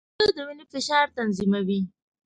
زړه د وینې فشار تنظیموي.